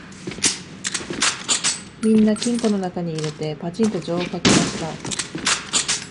みんな金庫のなかに入れて、ぱちんと錠をかけました